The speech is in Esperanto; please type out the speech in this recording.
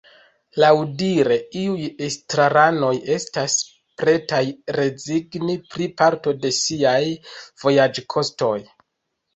Laŭdire iuj estraranoj estas pretaj rezigni pri parto de siaj vojaĝkostoj.